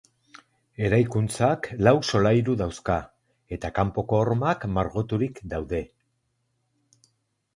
Eraikuntzak lau solairu dauzka eta kanpoko hormak margoturik daude.